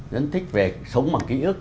rất thích về sống bằng ký ức